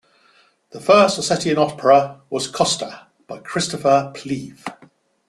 The first Ossetian opera was "Kosta", by Christopher Pliev.